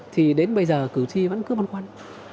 thì đến bây giờ cử tri vẫn cứ văn quan